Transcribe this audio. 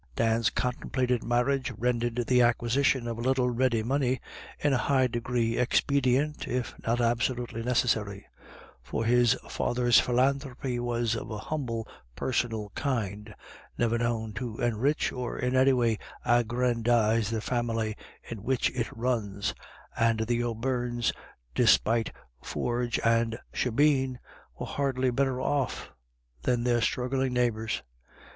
Dan's contem plated marriage rendered the acquisition of a little ready money in a high degree expedient, if not absolutely necessary ; for his father's philanthropy was of an humble personal kind, never known to enrich or in any way aggrandise the family in which it runs, and the O'Beirnes, despite forge and shebeen, were hardly better off than their struggling neighbours.